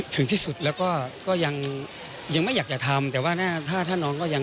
ถึงที่สุดแล้วก็ก็ยังยังไม่อยากจะทำแต่ว่าถ้าถ้าน้องก็ยัง